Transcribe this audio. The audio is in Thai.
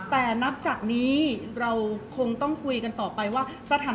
เพราะว่าสิ่งเหล่านี้มันเป็นสิ่งที่ไม่มีพยาน